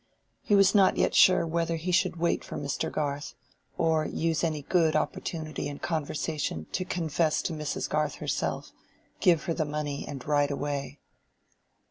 He was not yet sure whether he should wait for Mr. Garth, or use any good opportunity in conversation to confess to Mrs. Garth herself, give her the money and ride away.